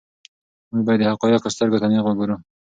موږ باید د حقایقو سترګو ته نیغ وګورو.